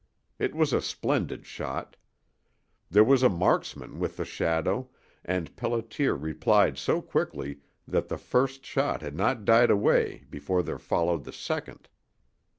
It was a splendid shot. There was a marksman with the shadow, and Pelliter replied so quickly that the first shot had not died away before there followed the second.